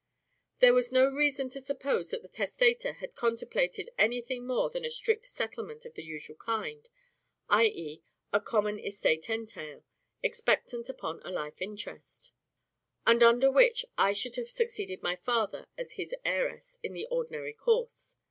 There was no reason to suppose that the testator had contemplated anything more than a strict settlement of the usual kind, i.e. a common estate entail, expectant upon a life interest; and under which I should have succeeded my father, as his heiress, in the ordinary course.